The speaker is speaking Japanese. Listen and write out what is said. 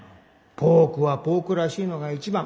ポークはポークらしいのが一番。